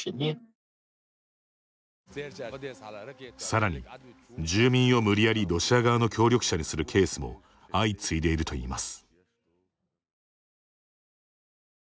さらに、住民を無理やりロシア側の協力者にするケースも相次いでいるといいます。